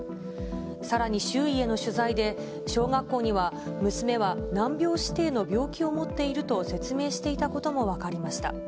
さらに周囲への取材で、小学校には娘は難病指定の病気を持っていると説明していたことも分かりました。